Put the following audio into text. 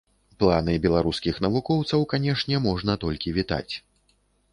Планы беларускіх навукоўцаў, канешне, можна толькі вітаць.